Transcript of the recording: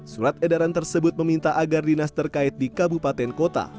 surat edaran tersebut meminta agar dinas terkait di kabupaten kota